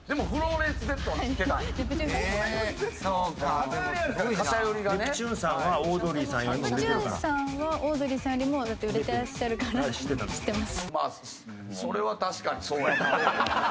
ネプチューンさんはオードリーさんよりも売れてらっしゃるから知ってます。